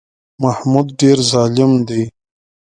محمود ډېر ظالم دی.